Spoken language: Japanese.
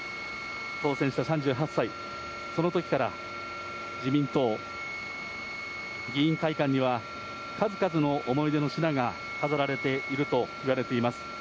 当選した３８歳、そのときから自民党、議員会館には、数々の思い出の品が飾られていると見られています。